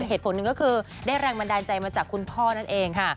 เหตุผลหนึ่งก็คือได้แรงบันดาลใจมาจากคุณพ่อนั่นเองค่ะ